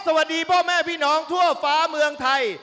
สวัสดีพ่อแม่พี่น้องทั่วฟ้าเมืองไทย